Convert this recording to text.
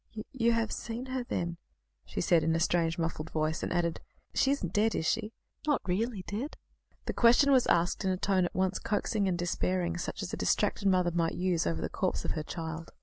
"You have seen her, then," she said in a strange, muffled voice, and added: "She isn't dead, is she? Not really dead?" The question was asked in a tone at once coaxing and despairing, such as a distracted mother might use over the corpse of her child.